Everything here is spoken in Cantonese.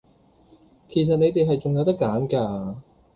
其實你哋係仲有得揀㗎